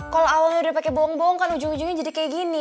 kalau awalnya udah pake bong bong kan ujung ujungnya jadi kayak gini